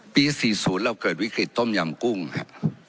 ปี๔๐เราเกิดวิกฤตต้มยำกุ้งครับ